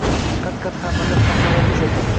Qat-qat xamirli paxlava retsepti